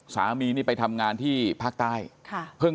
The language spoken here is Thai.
สามีนี่ไปทำงานที่ภาคใต้